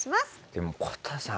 でもこたさん